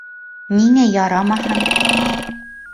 — Ниңә ярамаһын?